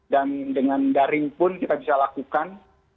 dan dengan daring pun kita bisa lakukan